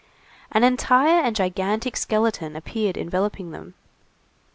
An entire and gigantic skeleton appeared enveloping them.